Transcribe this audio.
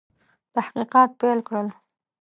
تحقیقات پیل کړل.